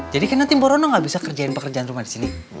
jadi nanti mbak rono gak bisa kerjain pekerjaan rumah disini